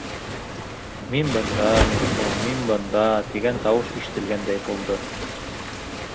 Мин бында, Митхун, мин бында, тигән тауыш ишетелгәндәй булды.